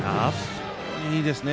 非常にいいですね。